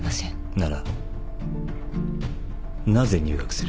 ならなぜ入学する？